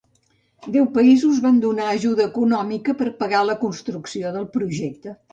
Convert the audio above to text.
Deu països van donar ajuda econòmica per pagar la construcció del projecte.